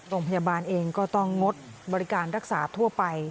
โรงพยาบาลเองก็ต้องงดบริการรักษาทั่วไป